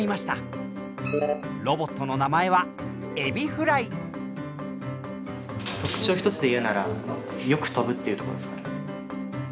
ロボットの名前は特徴を一つで言うならよく飛ぶっていうとこですかね。